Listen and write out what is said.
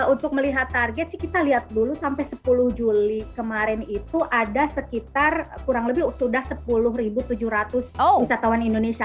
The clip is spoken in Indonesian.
untuk melihat target sih kita lihat dulu sampai sepuluh juli kemarin itu ada sekitar kurang lebih sudah sepuluh tujuh ratus wisatawan indonesia